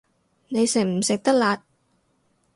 你食唔食得辣